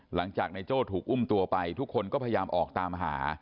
หลังจากนายโจ้ถูกอุ้มตัวไปทุกคนก็พยายามออกตามหา